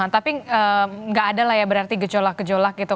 tapi nggak ada lah ya berarti gejolak gejolak gitu